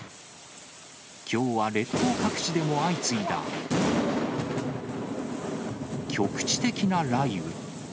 きょうは列島各地でも相次いだ局地的な雷雨。